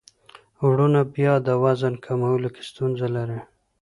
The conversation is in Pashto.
وروڼه بیا د وزن کمولو کې ستونزه لري.